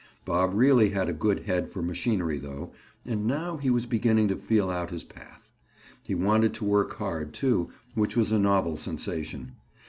Bob really had a good head for machinery though, and now he was beginning to feel out his path. He wanted to work hard, too, which was a novel sensation.